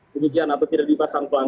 demikian atau tidak dipasang pelangg